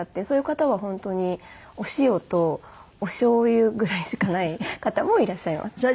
そういう方は本当にお塩とおしょうゆぐらいしかない方もいらっしゃいます。